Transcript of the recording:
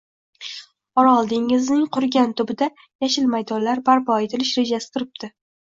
Orol dengizining qurigan tubida yashil maydonlar barpo etilish rejasi turibdi.